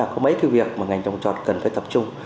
có mấy thứ việc mà ngành trong trọt cần phải tập trung